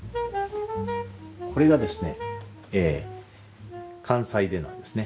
これがですね関西手なんですね。